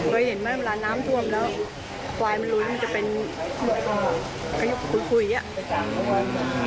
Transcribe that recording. เห็นไหมเวลาน้ำทวมแล้วควายมันลุยมันจะเป็นคุยอ่ะอืม